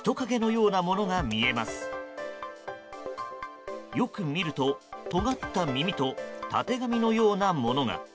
よく見ると、とがった耳とたてがみのようなものが。